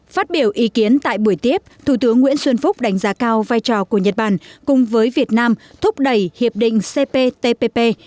phát biểu ý kiến tại buổi tiếp thủ tướng nguyễn xuân phúc đánh giá cao vai trò của nhật bản cùng với việt nam thúc đẩy hiệp định cptpp